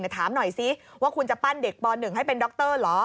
ถามหน่อยซิว่าคุณจะปั้นเด็กป๑ให้เป็นดรเหรอ